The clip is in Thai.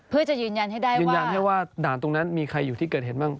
เพื่อจะยืนยันให้ได้ยืนยันให้ว่าด่านตรงนั้นมีใครอยู่ที่เกิดเหตุบ้าง